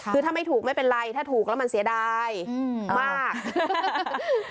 คือถ้าไม่ถูกไม่เป็นไรถ้าถูกแล้วมันเสียดายมาก